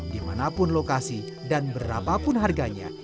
dimanapun lokasi dan berapapun harganya